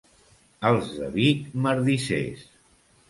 Els de Vic, merdissers.